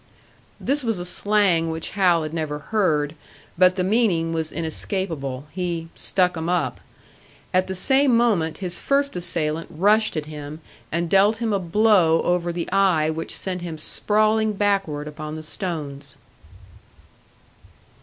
This was a slang which Hal had never heard, but the meaning was inescapable; he "stuck 'em up." At the same moment his first assailant rushed at him, and dealt him a blow over the eye which sent him sprawling backward upon the stones.